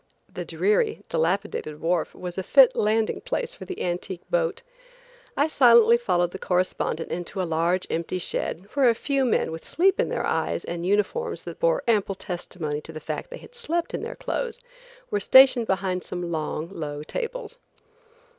The dreary, dilapidated wharf was a fit landing place for the antique boat. I silently followed the correspondent into a large empty shed, where a few men with sleep in their eyes and uniforms that bore ample testimony to the fact that they had slept in their clothes, were stationed behind some long, low tables.